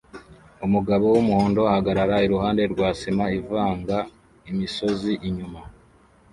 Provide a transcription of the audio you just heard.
Umugabo wumuhondo ahagarara iruhande rwa sima ivanga imisozi inyuma